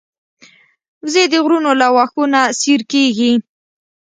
وزې د غرونو له واښو نه سیر کېږي